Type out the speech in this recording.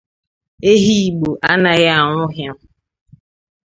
Ehi Igbo anaghị anwụ hịam